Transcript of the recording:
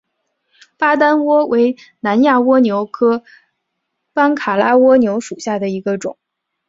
巴丹蜗为南亚蜗牛科班卡拉蜗牛属下的一个种。